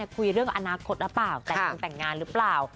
คุยเรื่องอนาคตหรือเปล่าแต่คุณแต่งงานหรือเปล่า